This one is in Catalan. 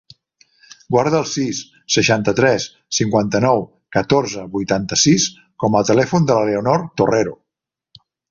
Guarda el sis, seixanta-tres, cinquanta-nou, catorze, vuitanta-sis com a telèfon de la Leonor Torrero.